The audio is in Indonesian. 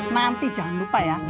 nanti jangan lupa ya